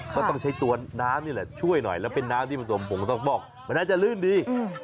ก็ต้องใช้ตัวน้ำนี่แหละช่วยหน่อยแล้วเป็นน้ำที่ผสมผงซอกฟอกมันน่าจะลื่นดี